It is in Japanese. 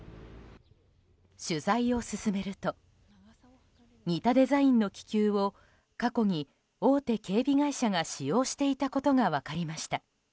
取材を進めると似たデザインの気球を過去に大手警備会社が使用していたことが分かりました。